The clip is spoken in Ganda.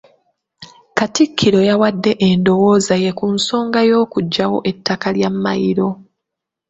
Katikkiro yawadde endowooza ye ku nsonga y'okuggyawo ettaka lya Mmayiro.